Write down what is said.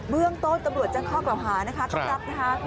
เรื่องต้นตำรวจแจ้งข้อกล่าวหานะคะต้องรับนะคะ